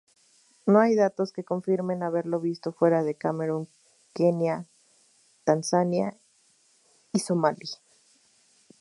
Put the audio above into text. No hay datos que confirmen haberlo visto fuera de Camerún, Kenia, Tanzania y Somalia.